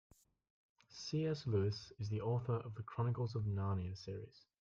C.S. Lewis is the author of The Chronicles of Narnia series.